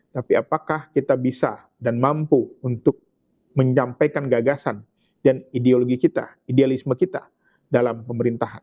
tapi apakah kita bisa dan mampu untuk menyampaikan gagasan dan ideologi kita idealisme kita dalam pemerintahan